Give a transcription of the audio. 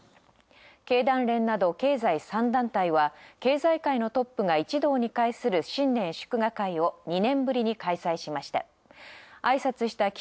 経団連など経済３団体は、経済界のトップが一堂に会する新年祝賀会を２年ぶりに開催しました。